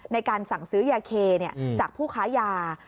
ในการสั่งซื้อยาเคจากผู้ค้ายา